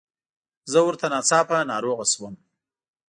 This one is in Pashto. زه ورته ناڅاپه ناروغه شوم.